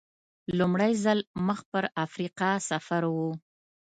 لومړی ځل مخ پر افریقا سفر و.